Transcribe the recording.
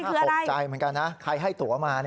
ตกใจเหมือนกันนะใครให้ตัวมา